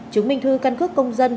chứng minh thư căn cước công dân